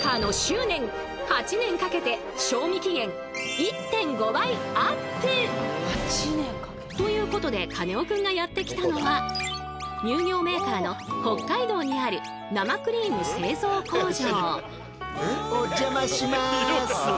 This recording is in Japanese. そして現在のようにみんながということでカネオくんがやって来たのは乳業メーカーの北海道にある生クリーム製造工場。